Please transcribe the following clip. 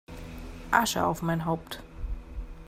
Asche auf mein Haupt!